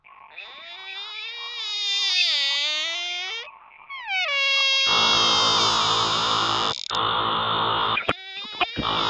wakatoka wowote wa majira ya mwaka